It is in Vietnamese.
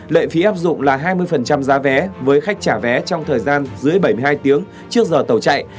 lệ phí áp dụng là hai mươi giá vé với khách trả vé trong thời gian dưới bảy mươi hai tiếng trước giờ tàu chạy